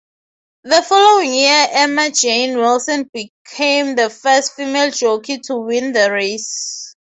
The following year, Emma-Jayne Wilson became the first female jockey to win the race.